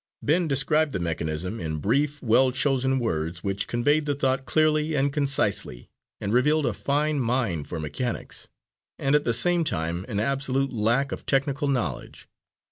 Ben described the mechanism, in brief, well chosen words which conveyed the thought clearly and concisely, and revealed a fine mind for mechanics and at the same time an absolute lack of technical knowledge.